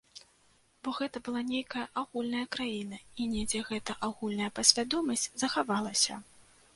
Бо гэта была нейкая агульная краіна і недзе гэта агульная падсвядомасць захавалася.